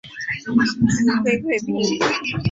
母殷贵嫔。